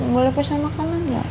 boleh pesan makanan gak